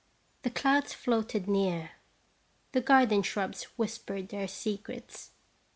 The clouds floated near. The garden shrubs whispered their secrets.